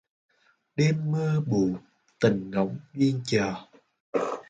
Đêm mưa buồn, tình ngóng duyên chờ.